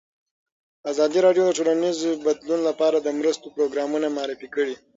ازادي راډیو د ټولنیز بدلون لپاره د مرستو پروګرامونه معرفي کړي.